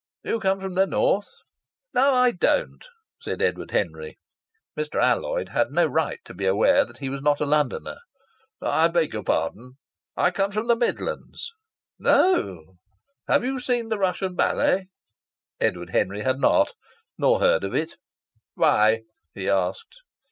"You come from the north?" "No, I don't," said Edward Henry. Mr. Alloyd had no right to be aware that he was not a Londoner. "I beg your pardon." "I come from the Midlands." "Oh!... Have you seen the Russian Ballet?" Edward Henry had not nor heard of it. "Why?" he asked.